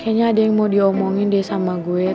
kayaknya ada yang mau diomongin deh sama gue